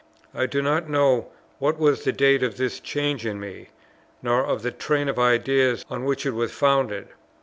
I do not know what was the date of this change in me, nor of the train of ideas on which it was founded.